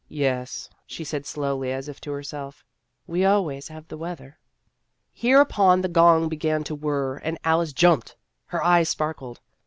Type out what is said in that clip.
" Yes," she said slowly as if to herself, " we always have the weather." Hereupon the gong began to whir, and Alice jumped. Her eyes sparkled.